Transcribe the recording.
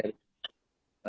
jadi ada yang harus dilakukan